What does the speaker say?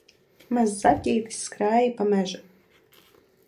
Mazs zaķītis skrēja pa mežu